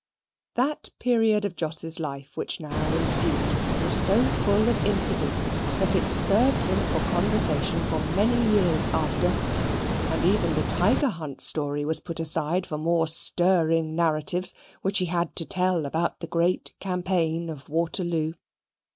That period of Jos's life which now ensued was so full of incident, that it served him for conversation for many years after, and even the tiger hunt story was put aside for more stirring narratives which he had to tell about the great campaign of Waterloo.